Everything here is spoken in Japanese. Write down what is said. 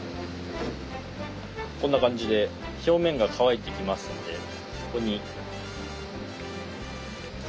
こんな感じで表面が乾いてきますんでここに。